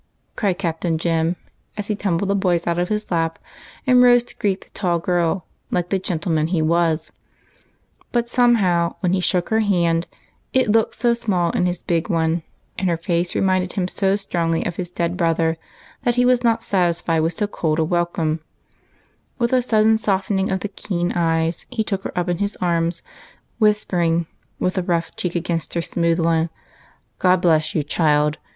" cried Captain Jem, as he tumbled the boys out of his lap,' and rose to greet the tall girl, like a gentleman as he was. But, somehow, when he shook her hand it looked so small in his big one, and her face reminded him so strongly of his dead brother, that he was not satisfied with so cold a welcoine, and with a sudden softening of the keen eyes he took her up in his arms, whispering, with a rough cheek against her smooth one, —" God bless you, child